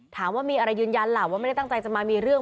ถามว่ามีอะไรยืนยันล่ะว่าไม่ได้ตั้งใจจะมามีเรื่อง